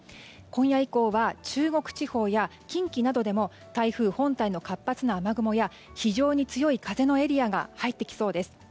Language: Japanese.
今夜以降は中国地方や近畿などでも台風本体の活発な雨雲や非常に強い風のエリアが入ってきそうです。